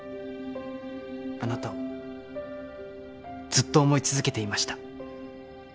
あなたをずっと思い続けていました